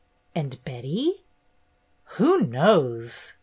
"And Betty?" "Who knows!"